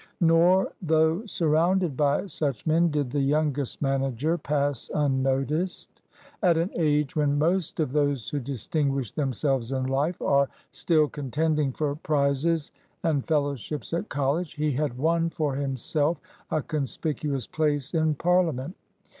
Nor, though surrounded by such men, did the youngest manager pass unnoticed. At an age when most of those who distinguish themselves in life are still contending for prizes and fellowships at college, he had won for himself a conspicuous place in Parliament.